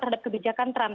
terhadap kebijakan trump